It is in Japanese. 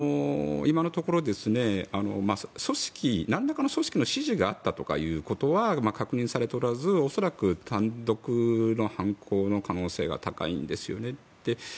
一方で今のところなんらかの組織の指示があったということは確認されておらず恐らく単独の犯行の可能性が高いんですよね。